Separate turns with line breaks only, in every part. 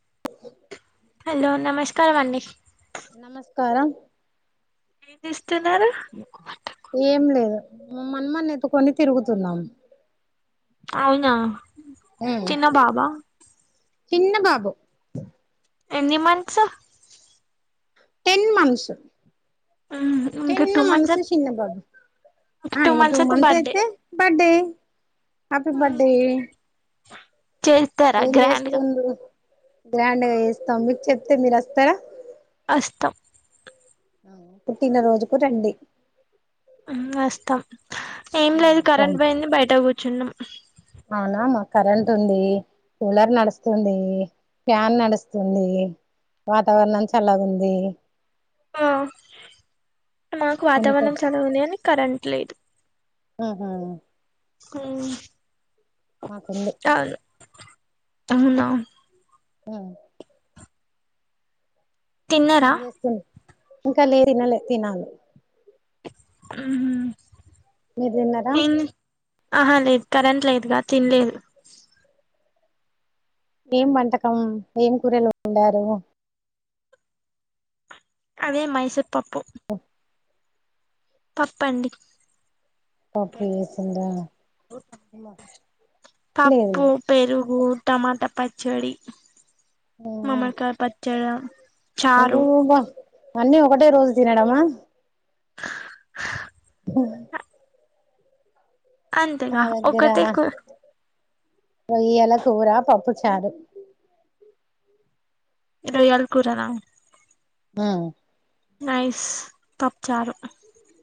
[inaudible]
hello నమస్కారం అండి
కారం
ఏం జేస్తున్నారు
ఏం లేదు మా మన్మ్మన్ని ఎత్తుకొని తిరుగుతున్నాం
అవునా చిన్న బాబా
చిన్న బాబు
ఎన్ని మంత్స్
టెన్ మంత్స్
ఇంకా
టెన్
టూ
మంత్స్ చిన్న బాబు ఆ ఇంగ టూ మంత్స్ అయితే బర్డే హ్యాపీ బర్డే
చేస్తారా
ఏం
గ్రాండ్ గా
జేస్తుండు గ్రాండ్గా చేస్తాం మీకు చెప్తే మీరు వస్తారా
వస్తాం
పుట్టినరోజుకు రండి
వస్తాం ఏం లేదు కరెంట్ పోయింది బయట కూర్చున్నాం
అవునా మా కరెంట్ ఉంది కూలర్ నడుస్తుంది ఫ్యాన్ నడుస్తుంది వాతావరణం చల్లగుంది
ఆ మాకు వాతావరణం
కొన్ని
చల్లగా ఉంది గాని కరెంట్ లేదు
ఉమ్ హూ
ఉమ్
మా కుంది
అవునా
ఆ
తిన్నారా
ఏం జేస్తుర్రు ఇంకా లే తినలే తినాలి
ఉమ్ హు
మీరు దిన్నరా
ఆహా లేదు కరెంట్ లేదుగా తినలేదు
ఏం వంటకం ఏం కూరలు వండారు
అదే మైసూర్పప్పు పప్పండి
పప్పు చేసిండ్రా లేదు
పప్పు పెరుగు టమాటా పచ్చడి మామడికాయ పచ్చడ చారు
నువ్వు బా అన్నీ ఒకటే రోజు తినడమా ఓ మా
అంతేగా
దగ్గర
ఒకటే కు
రొయ్యల కూర పప్పు చారు
రొయ్యల కూర నా
మ్మ్
నైస్ పప్చారు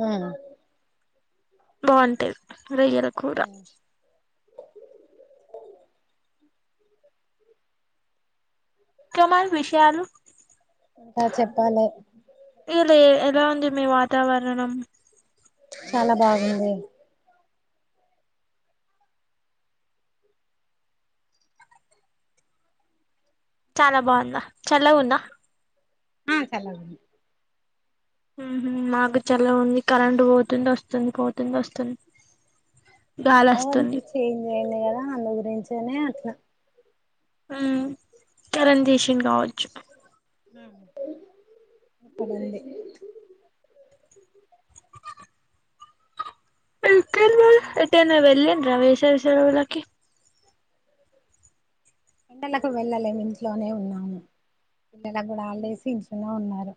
మ్మ్
బాగుంటాది రొయ్యల కూర ఇంకా మరి విషయాలు
ఆ చెప్పాలి
ఇలా ఎలా ఉంది మీ వాతావరణం
చాలా బాగుంది
చాలా బాగుందా చల్లగుందా
మ్మ్ చల్లగుంది
మ్మ్ హ్మ్ మాకు చల్లగుంది కరెంటు పోతుంది వస్తుంది పోతుంది వస్తుంది గాలి
అవరణం
వస్తుంది
చేంజ్ అయింది కదా అందు గురించనే అట్లా
మ్మ్ కరెంట్ తీసిండు కావచ్చు
ఇదుంది
[unintelligible] ఎటైనా వెళ్ళన్రా వేసవి సెలవులకు
ఎండలకు వెళ్ళలేము ఇంట్లోనే ఉన్నాము పిల్లల కూడా హాలిడేసే ఇంట్లోనేఉన్నారు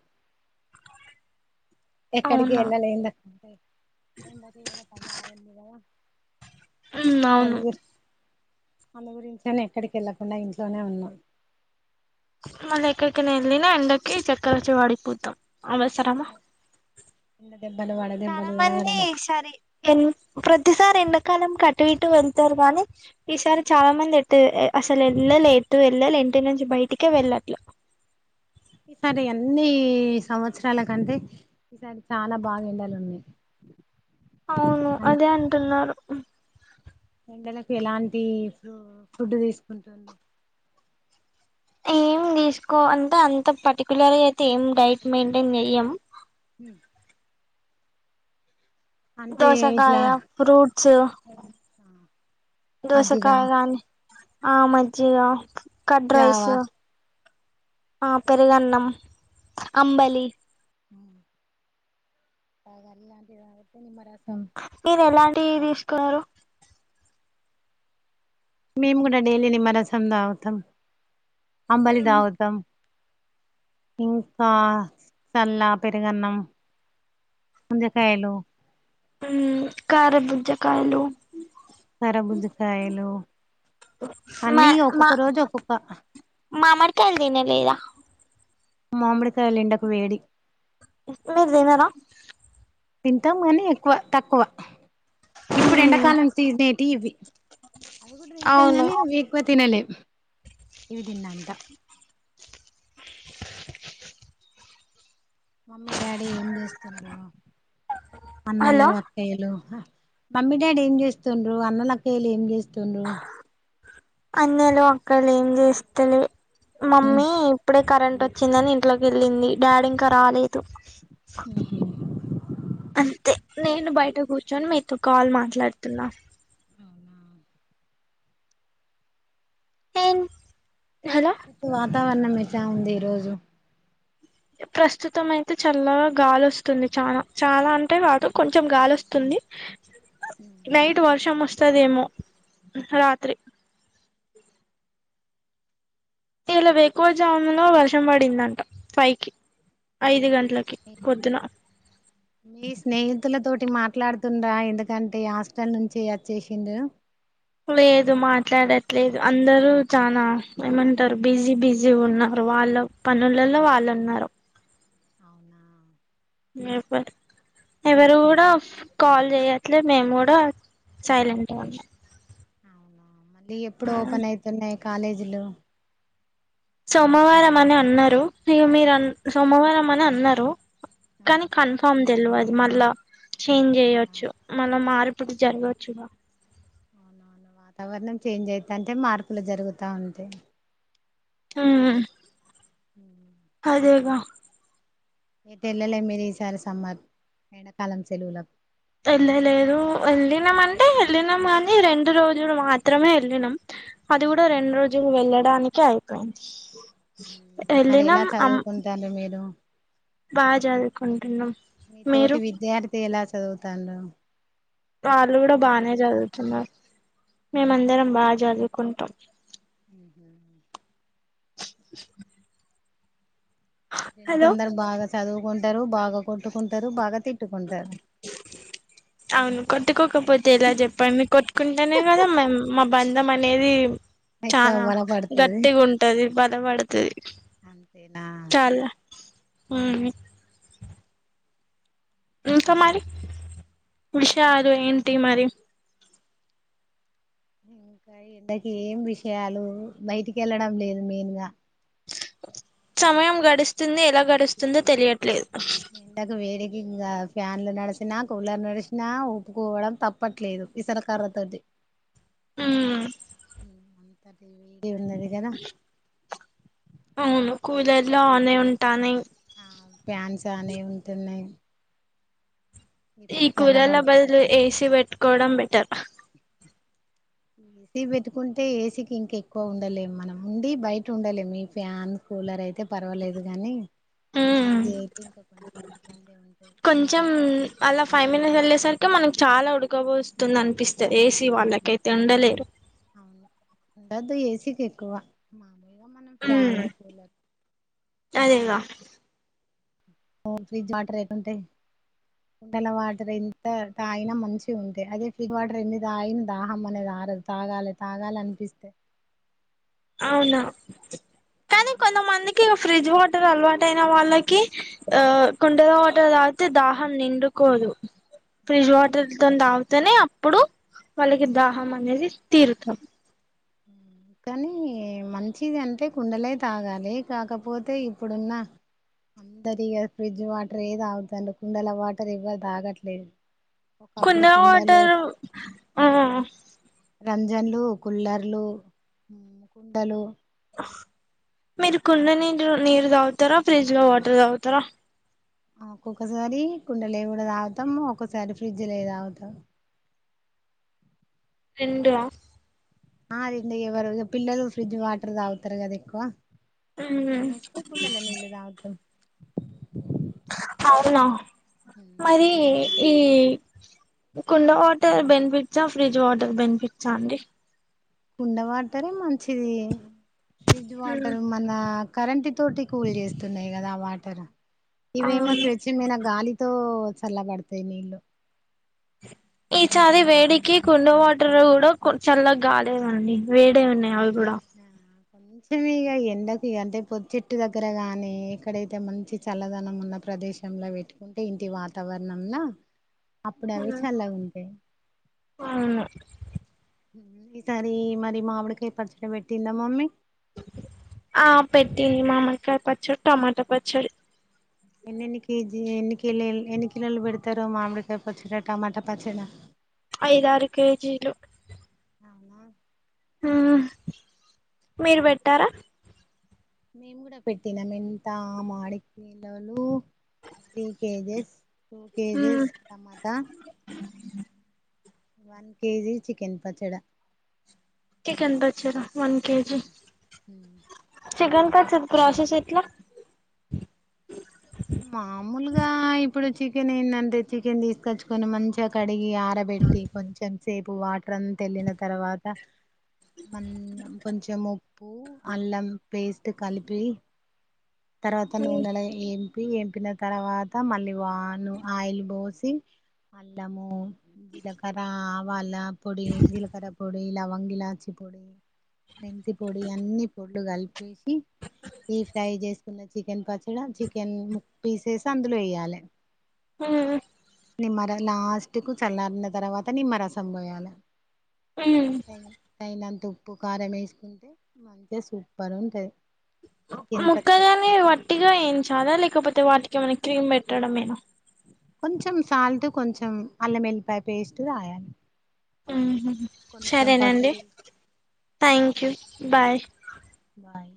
ఎక్కడికి
అవునా
వెళ్ళాలేను
మ్మ్ అవును
అందు గురించనే ఎక్కడికి వెళ్ళకుండా ఇంట్లోనే ఉన్నాం
మళ్ళీ ఎక్కడికైనా వెళ్ళినా ఎండకి చక్కరొచ్చి పడిపోతాం అవసరమా
ఎండ దెబ్బలు వడ
చాలా
దెబ్బలు
మంది
తలగడం
ఈసారీ ఎన్ ప్రతిసారి ఎండాకాలం కటు ఇటు వెళ్తారు గానీ ఈసారి చాలా మంది ఎట్ట అసలు ఎల్ ఎండలు ఎటు ఎళ్ళలె ఇంటి నుంచి బయటికే వెళ్ళట్లా
ఈసారి అన్ని సంవత్సరాల కంటే ఈసారి చాలా బాగా ఎండలున్నాయి
అవును అదే అంటున్నారు
ఎండలకి ఎలాంటి ఫు ఫుడ్ తీసుకుంటున్న
ఏం తీసుకో అంటే అంత పర్టికుయలర్గా అయితే ఏం డైట్ మెయింటైన్ చెయ్యం
అంటే ఇట్లా
దోసకాయ ఫ్రూట్ ట్సు
మజ్జిగ
దోసకాయ గానీ ఆ మజ్జిగా కర్డ్ రైస్
జావా
ఆ పెరుగన్నం అంబలి
తాగాలి అంటె నిమ్మరసం
మీరు ఎలాంటియి తీసుకున్నారు
మేము కూడా డైలీ నిమ్మరసం తాగుతాం అంబలి తాగుతాం ఇంకా చల్లా పెరుగన్నం ముంజ కాయలు
మ్ కరబుచ్చకాయలు
కరబుచ్చకాయలు
మా మా మామడికాయలు దినలేదా
మామిడికాయలుఎండకు వేడి
[unintelligible] తిన్నారా
తింటాము కానీ ఎక్కువ తక్కువ ఇప్పుడు
మ్మ్
ఎండకాలం తిసినేటివి ఇవి అవి తింటాం
అవును
గానీ అవి ఎక్కువ తినలేవు ఇవిదిన్నంత మమ్మీ డాడీ ఏం చేస్తుండ్రూ అన్నలు
హలో
అక్కయ్యలు మమ్మీ డాడ ఏం చేస్తుండ్రు అన్న లక్కయలు ఏం చేస్తుండ్రు
అన్నలు అక్కయలు ఏం చేస్తలే మమ్మీ ఇప్పుడె కరెంట్ వచ్చిందని ఇంట్లోకి వెళ్ళింది డాడీ ఇంకా రాలేదు
మ్ హుమ్
అంతే నేను బయట కూర్చొని మీతో కాల్ మాట్లాడుతున్నా టిం
వాతావరణం ఎట్టా ఉంది ఈ రోజు
ప్రస్తుతం అయితే చల్ల గా గాలి వస్తుంది చానా చాలా అంటే కాదు కొంచెం గాలొస్తుంది నైట్ వర్షం వస్తదేమో రాత్రి ఇలా ఎక్కువ జాముంలో వర్షం పడిందంట ఫైకి ఐదు గంట లకికి పొద్దున
మీ స్నేహితుల తోటి మాట్లాడుతుండా ఎందుకంటే హాస్టల్ నుంచి అచ్చేషిండు
లేదు మాట్లాడట్లేదు అందరూ చానా ఏమంటారు బిజీ బిజీ ఉన్నారు వాళ్ళ పనులలో వాళ్ళు ఉన్నారు
అవునా
ఎవ్వరు ఎవరు కూడా కాల్ చేయట్లే మేము కూడా సైలెంట్గా ఉన్నాం
అవునా మళ్ళీ ఎప్పుడు ఓపెన్ అయితున్నాయి కాలేజీలు
సోమవారం అని అన్నారు ఇహ మీరు సోమవారం అని అన్నారు కానీ కన్ఫార్మ్ తెల్వదు మళ్ళా చేంజ్ చేయొచ్చు మళ్ళా మార్పులు జరగచ్చుగా
అవునవును వాతావరణం చేంజ్ అయితంటే మార్పులు జరుగుతా ఉంటాయి
మ్ అదేగా
అయితే ఎల్లలె మీరు ఈసారి సమ్మర్ ఎండా కాలం సెలవులకు
ఎల్లలేదు వెళ్ళినాం అంటే ఎళ్ళినాము గాని రెండు రోజులు మాత్రమే ఎళ్ళినాం అది కూడా
అవునా
రెండు రోజులు వెళ్ళడానికే అయిపోయింది
మరి ఎలా
వెళ్ళినాం
చదువుకుంటారు మీరు
బా చదుకుంటున్నా
మీ తోటి విద్యార్థి ఎల చదువుతాన
వాళ్ళు కూడ బానే చదువుతున్నారు మేమందరం బాగ చదువుకుంటాం
హు హు ఫ్రెండ్స్
హలో
అందరు బాగా చదువుకుంటారు బాగ కొట్టుకుంటారు బాగ తిట్టుకుంటారు
అవును కొట్టుకోకపోతే ఎలా చెప్పండి మీ కొట్టుకుంటేనే కదా [unintelligible] బంధం అనేది
ఎక్కువ
చాల
గొడవ పడుతది
గట్టిగా ఉంటది బలపడతది
అంతేనా
అవును ఇంకా మరి విషయాలు ఏంటి మరి
ఇంకా ఎండకి ఏం విషయాలు బయటికి వెళ్ళడం లేదు మెయిన్గ
సమయం గడుస్తుంది ఎలా గడుస్తుందో తెలియట్లేదు
ఎండకు వేడికి ఇంకా ఫ్యాన్లు నడిచిన కూలర్ నడిచినా ఊపుకోవడం తప్పట్లేదు విసర కర్ర తోటి
ఉమ్
[unintelligible]
అవును కూలర్ లో ఆన్ ఉంటానాయ్
ఆ ప్యాన్స్ అనే ఉంటున్నాయి
ఈ
ఇప్పుడు
కూలర్ల
చల్లబడితే
బదులు ఏసి పెట్టుకోవడం బెటర్
ఏసీ పెట్టుకుంటే ఏసీకి ఇంక ఎక్కువ ఉండలేం మనం ఉండి బయట ఉండలేం ఈ ఫ్యాన్ కూలర్ అయితే పర్వాలేదు కానీ
ఉమ్
ఏసీ అయితే ఇంక కొంచెం ఇబ్బంది ఉంటది
అలా [unintelligible] సరికి మనకి చాల ఉడక పోస్తుంది అనిపిస్తుంది ఏసీ వాళ్ళకైతే ఉండలేరు
ఉండదు ఏసీకి ఎక్కువ మామూలుగా మనం ఫ్యాను కూలర్
అదేగ
[unintelligible] ఫ్రిజ్ వాటర్ ఎట్టుంటాయ్ కుండల వాటర్ ఎంత తాగిన మంచి ఉంటే అదే ఫ్రిడ్జ్ వాటర్ ఎన్ని తాగిన దాహం అనేది మారదు తాగాలి తాగాలి అనిపిస్తే
అవునా కానీ కొంతమందికి ఫ్రిడ్జ్ వాటర్ అలవాటయిన వాళ్ళకి ఆ కుండలో వాటర్ తాగితే దాహం నిండుకోదు ఫ్రిడ్జ్ వాటర్ తోని [unintelligible] [unintelligible] అప్పుడు వాళ్ళకి దాహం అనేది తీరుతాం
కానీ మంచిది అంటే కుండలే తాగాలి కాకపోతే ఇప్పుడున్న అందరిగా ఫ్రిడ్జ్ వాటర్ ఏ తాగుతుం కుండల వాటర్ ఇవ్వరు తాగట్లేదు
కుండ
ఒకప్పుడు కుండలు
వాటారు ఆ
రంజన్లు కుల్లర్లు కుండలు
మీరు కుండ నీరు నీరు తాగుతారా ఫ్రిడ్జ్ లో వాటర్ తాగుతార
ఒక్కొక్కసారి కుండలే కూడ తాగుతాం ఒక్కసారి ఫ్రిడ్జ్లే తాగుతాం
[unintelligible]
[unintelligible] ఎవరు పిల్లలు ఫ్రిడ్జ్ వాటర్ తాగుతారు కదా ఎక్కువ
మ్మ్
మేమైతే కుండలో నీళ్లు తాగుతం
అవునా మరీ ఈ కుండ వాటర్ బెనిఫిట్సా ఫ్రిడ్జ్ వాటర్ బెనిఫిట్సా అండి
కుండ వాటరే మంచిది ఫ్రిజ్
మ్మ్
వాటర్ మన కరెంటితోటి కూల్ చేస్తున్నాయి కదా ఆ వాటర్ ఇవేమో
అవును
స్వేచ్ఛమైన గాలితో చల్లబడతాయి నీళ్ళు
[inaudible] ఈ చారి వేడికి కుండ వాటర్ కూడా చల్ల గాలేదండి వేడే ఉన్నాయి అవ్ కూడా
కొంచం ఇగా ఎండకు అంటే పొత్ చెట్టు దగ్గర గాని ఎక్కడైతే మంచి చల్లదనంగా ఉన్న ప్ర ప్రదేశంంల పెట్టుకుంటే ఇంటి వాతావరణంలా అప్పుడు
మ్
అవి చల్లగా ఉంటాయి
అవును
ఈసారి మరి మామిడికాయి పచ్చడి పెట్టిందా మమ్మీ
ఆ పెట్టింది మామడికాయ పచ్చడి టమాటా పచ్చడి
ఎన్నెన్ని కేజీ ఎన్ని కిలేలు ఎన్ని కిలోలు పెడతారు మామిడికాయ పచ్చడి టమాటా పచ్చడి
ఐదారు కేజీలు
అవునా
ఉ మీరు పెట్టారా
మేము కూడా పెట్టినాం ఎంత మాడి కిలోలు త్రీ కేజెస్ టూ
మ్మ్
కేజెస్ టమాటా వన్ కేజీ చికెన్ పచ్చడా
చికెన్ పచ్చడా వన్ కేజి చికన్ పచ్చడి ప్రాసెస్ ఎట్లా
మామూలుగా ఇప్పుడు చికెన్ ఎందంటే చికెన్ తీసుకొచ్చుకొని మంచిగా కడిగి ఆరబెట్టి కొంచెం సేపు వాటర్ అంతేల్లిన తర్వాత మందా కొంచెం ఉప్పు అల్లం పేస్ట్ కలిపి తర్వాత నూనల ఏం పి ఎంపిన తర్వాత మళ్ళీ వాను ఆయిల్ పోసి అల్లము జీలకర ఆవాల పొడి జీలకర్ర పొడి లవంగ ఇలాచి పొడి మెంతి పొడి అన్ని పొడ్లు కలిపేసి డీ ఫ్రై చేసుకున్న చికెన్ పచ్చడి చికెన్ ముక్ పీసేస్ అందులో వేయాలె
ఉమ్
నిమ్మర లాస్ట్ కు చల్లారిన తర్వాత నిమ్మరసం పోయాలే తై తయినంత ఉప్ ఉప్పు కారం ఏసుకుంటే మంచిగా సూపర్ ఉంటది చికెన్ పచ్చడి
ముక్కగానే వట్టిగా ఏయించాలా లేకపోతే వాటికి ఏమైనా క్రీమ్ పెట్టడమేనా
కొంచెం సాల్ట్ కొంచెం అల్లం ఎల్లిపాయి పేస్ట్ రాయాలి కొంచెం
సరేనండి
పసుపేసి
థ్యాంక్యూ బాయ్
బాయ్